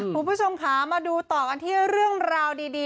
คุณผู้ชมค่ะมาดูต่อกันที่เรื่องราวดี